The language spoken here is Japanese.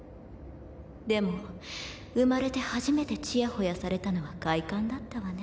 でも生まれて初めてちやほやされたのは快感だったわね。